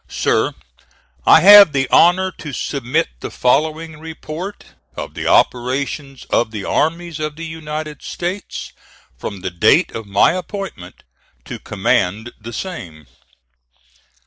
SIR: I have the honor to submit the following report of the operations of the Armies of the United States from the date of my appointment to command the same.